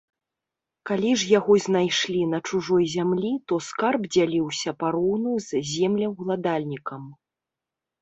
Калі ж яго знайшлі на чужой зямлі, то скарб дзяліўся пароўну з землеўладальнікам.